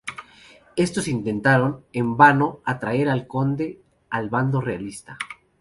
Estos intentaron, en vano, atraer al conde al bando realista.